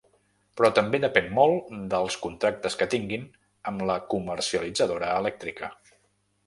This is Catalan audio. Però també depèn molt dels contractes que tinguin amb la comercialitzadora elèctrica.